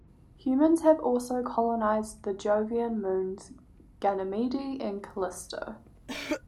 Humans have also colonised the Jovian moons Ganymede and Callisto.